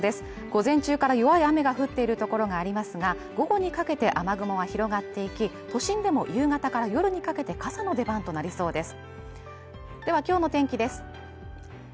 午前中から弱い雨が降っている所がありますが午後にかけて雨雲が広がっていき都心でも夕方から夜にかけて傘の出番となりそうです